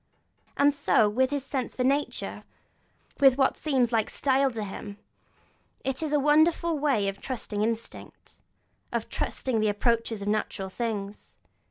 And so with his sense for nature, with that which seems like style in him; it is a wonderful way of trusting instinct, of trusting the approaches of natural things.